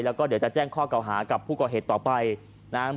แล้วก็เดี๋ยวจะแจ้งข้อเก่าหากับผู้ก่อเหตุต่อไปนะครับ